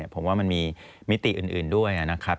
ผมว่ามันมีมิติอื่นด้วยนะครับ